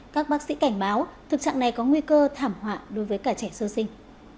các bác sĩ cảnh báo thực trạng này có nguy cơ thảm họa đối với cả trẻ sơ sinh